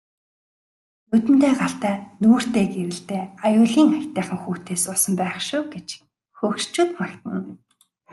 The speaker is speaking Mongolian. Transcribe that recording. Нүдэндээ галтай нүүртээ гэрэлтэй аюулын аятайхан хүүтэй суусан байх шив гэж хөгшчүүд магтана.